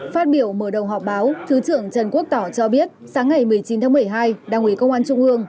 phát biểu mở đầu họp báo thứ trưởng trần quốc tỏ cho biết sáng ngày một mươi chín tháng một mươi hai đảng ủy công an trung ương